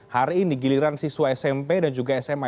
hari ini giliran siswa smp dan juga sma